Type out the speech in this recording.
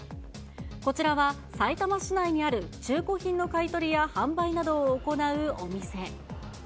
こちらは、さいたま市内にある中古品の買い取りや販売などを行うお店。